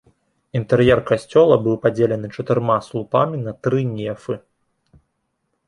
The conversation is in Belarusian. Інтэр'ер касцёла быў падзелены чатырма слупамі на тры нефы.